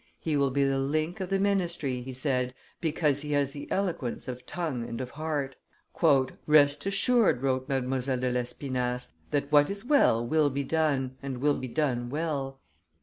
"He will be the link of the ministry," he said, "because he has the eloquence of tongue and of heart." "Rest assured," wrote Mdlle. de Lespinasse, "that what is well will be done and will be done well.